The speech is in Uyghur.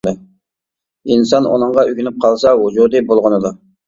ئىنسان ئۇنىڭغا ئۆگىنىپ قالسا، ۋۇجۇدى بۇلغىنىدۇ.